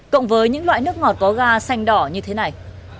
cộng với những loại nước ngọt có ga xanh đỏ như thế này